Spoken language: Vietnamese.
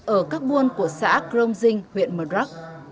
ở các buôn của xã gromzing huyện maroc